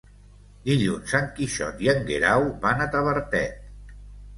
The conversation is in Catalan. Dilluns en Quixot i en Guerau van a Tavertet.